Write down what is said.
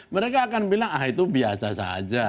mereka akan bilang ah itu biasa saja